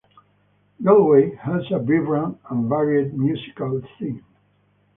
Galway has a vibrant and varied musical scene.